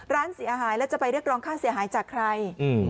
ร้านเสียหายแล้วจะไปเรียกร้องค่าเสียหายจากใคร